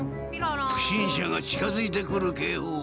不審者が近づいてくる警報音。